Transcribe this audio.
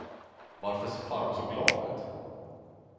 Varför ser farbror så glad ut?